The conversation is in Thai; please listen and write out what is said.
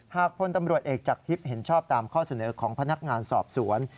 พลตำรวจเอกจากทิพย์เห็นชอบตามข้อเสนอของพนักงานสอบสวน